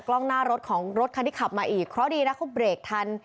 กล้องหน้ารถของรถคันที่ขับมาอีกเพราะดีนะเขาเบรกทัน